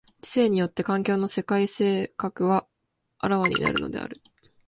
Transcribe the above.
知性によって環境の世界性格は顕わになるのである。